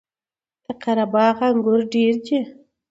د قره باغ انګور ډیر دي